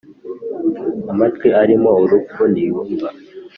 amatwi arimo urupfu ntiyumva